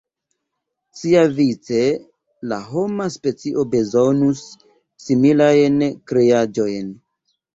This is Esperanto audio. Siavice, la homa specio bezonus similajn kreaĵojn.